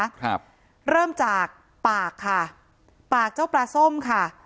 นำโชคอ่ะนะคะครับเริ่มจากปากค่ะปากเจ้าปลาส้มค่ะ